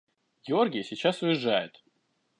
– Георгий сейчас уезжает.